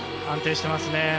安定していますね。